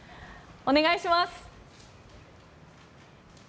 お願いします。